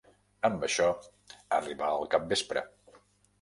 Amb això, arribà el capvespre.